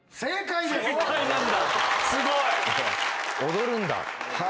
踊るんだ？